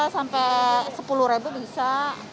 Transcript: sampai sepuluh ribu bisa